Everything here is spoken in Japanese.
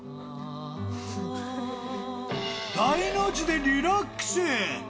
大の字でリラックス。